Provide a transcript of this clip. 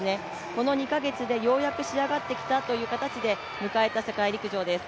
この２カ月でようやく仕上がってきたという形で迎えた世界陸上です。